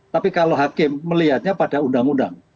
tapi kalau hakim melihatnya pada undang undang